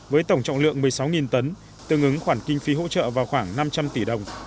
với tổng trọng lượng một mươi sáu tấn tương ứng khoản kinh phí hỗ trợ vào khoảng năm trăm linh tỷ đồng